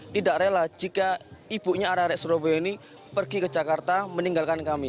tidak rela jika ibunya arah arek surabaya ini pergi ke jakarta meninggalkan kami